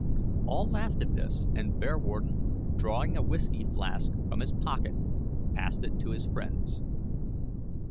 All laughed at this, and Bearwarden, drawing a whiskey flask from his pocket, passed it to his friends.